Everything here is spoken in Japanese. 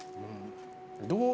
どう。